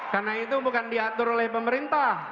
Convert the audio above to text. karena itu bukan diatur oleh pemerintah